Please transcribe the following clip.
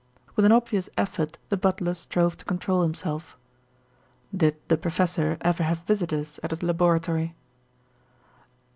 With an obvious effort the butler strove to control himself. "Did the professor ever have visitors at his laboratory?"